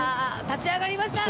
立ち上がりました。